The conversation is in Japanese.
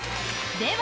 では